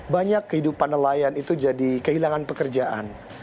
banyak kehidupan nelayan itu jadi kehilangan pekerjaan